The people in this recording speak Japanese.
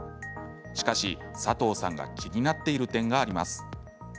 しかし、佐藤さんが気になっている点があります。